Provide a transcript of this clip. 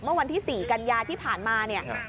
เมื่อวันที่๔กัญญาที่ผ่านมา